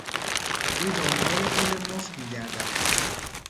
او دنبال پول مفت میگردد.